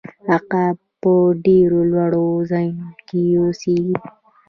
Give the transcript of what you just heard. عقاب په ډیرو لوړو ځایونو کې اوسیږي